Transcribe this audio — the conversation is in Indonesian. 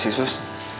ini sih sus